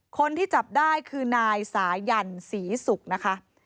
คนที่จับได้คือนายสายันศรีศุกร์นะคะ